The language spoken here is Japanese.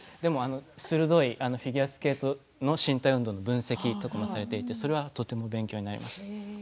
鋭いフィギュアスケートの身体能力の分析とかされていてとても勉強になりました。